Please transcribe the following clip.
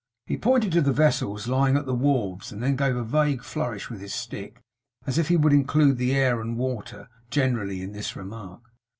He pointed to the vessels lying at the wharves; and then gave a vague flourish with his stick, as if he would include the air and water, generally, in this remark.